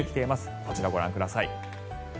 こちらをご覧ください。